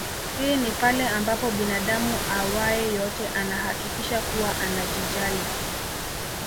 Hii ni pale ambapo binadamu awae yote anahakikisha kuwa anajijali